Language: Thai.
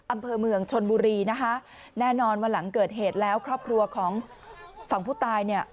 อำเภอเมืองชนบุรีนะคะแน่นอนว่าหลังเกิดเหตุแล้วครอบครัวของฝั่งผู้ตายเนี่ย